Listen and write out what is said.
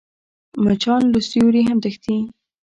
مچان له سیوري هم تښتي